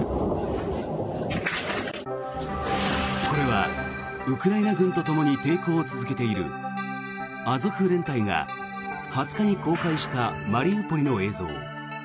これはウクライナ軍とともに抵抗を続けているアゾフ連隊が２０日に公開したマリウポリの映像。